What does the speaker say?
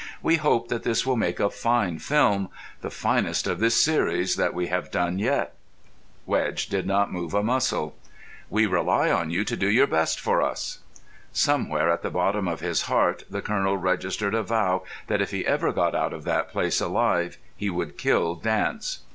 "We hope that this will make a fine film, the finest of this series that we have done yet." Wedge did not move a muscle. "We rely on you to do your best for us." Somewhere at the bottom of his heart the Colonel registered a vow that if he ever got out of that place alive he would kill Dance.